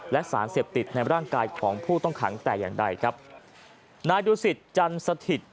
และสารเสพติดในร่างกายของผู้ต้องขังแต่อย่างใดครับนายดูสิตจันสถิต